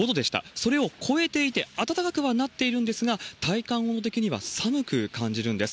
それを超えていて暖かくはなっているんですが、体感温度的には寒く感じるんです。